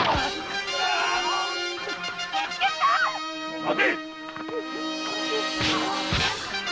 ・待て！